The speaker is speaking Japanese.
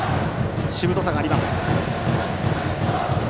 しぶとさがあります。